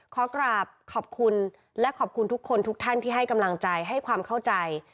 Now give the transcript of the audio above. ขอกราบขอบคุณและขอบคุณทุกคนทุกท่านที่ให้กำลังใจให้ความเข้าใจ